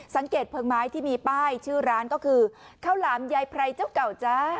เพลิงไม้ที่มีป้ายชื่อร้านก็คือข้าวหลามยายไพรเจ้าเก่าจ้า